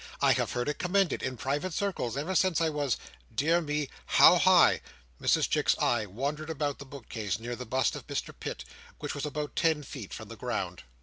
I have heard it commended in private circles ever since I was—dear me—how high!" Mrs Chick's eye wandered about the bookcase near the bust of Mr Pitt, which was about ten feet from the ground.